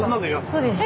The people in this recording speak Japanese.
そうです。